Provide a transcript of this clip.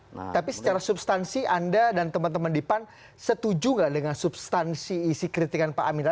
nah tapi secara substansi anda dan teman teman dipan setuju nggak dengan substansi isi kritikan pak amin